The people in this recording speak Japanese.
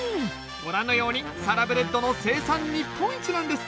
ご覧のようにサラブレッドの生産日本一なんです。